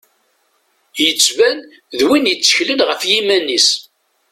Yettban d win i tteklen ɣef yiman-is.